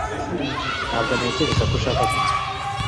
Ntabwo ntekereza ko ushaka kumenya